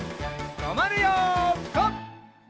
とまるよピタ！